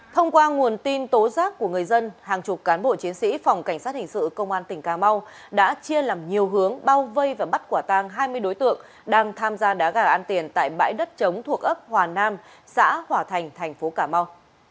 thông qua nguồn tin tố giác của người dân hàng chục cán bộ chiến sĩ phòng cảnh sát hình sự công an tỉnh cà mau đã chia làm nhiều hướng bao vây và bắt quả tang hai mươi đối tượng đang tham gia đá gà an tiền tại bãi đất chống thuộc ấp hòa nam xã hòa thành thành phố cà mau